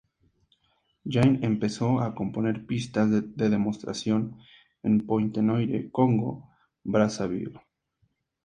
Jain empezó a componer pistas de demostración en Pointe-Noire, Congo-Brazzaville.